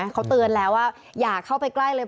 เขาเตือนแล้วว่าอย่าเข้าไปใกล้เลย